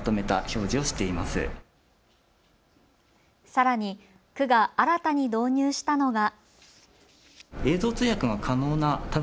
さらに区が新たに導入したのが。